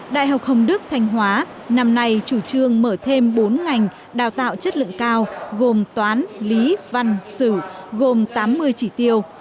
đại học hồng đức thanh hóa năm nay chủ trương mở thêm bốn ngành đào tạo chất lượng cao gồm toán lý văn sử gồm tám mươi chỉ tiêu